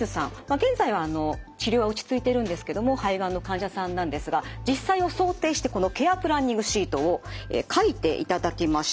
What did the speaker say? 現在は治療は落ちついてるんですけども肺がんの患者さんなんですが実際を想定してこのケア・プランニングシートを書いていただきました。